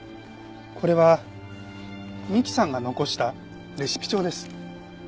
これは美希さんが残したレシピ帳です。